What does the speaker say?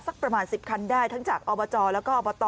สักประมาณ๑๐คันได้ทั้งจากอบจแล้วก็อบต